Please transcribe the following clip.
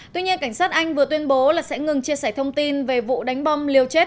tuy nhiên cảnh sát anh vừa tuyên bố sẽ ngừng chia sẻ thông tin về vụ đánh bom liều chết